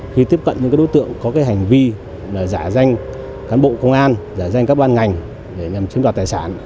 khi tiếp cận những đối tượng có hành vi giả danh cán bộ công an giả danh các ban ngành để nhằm chiếm đoạt tài sản